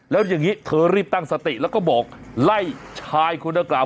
แล้วอย่างนี้เธอรีบตั้งสติแล้วก็บอกไล่ชายคนดังกล่าว